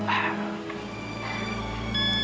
tapi saya sama sekali gak percaya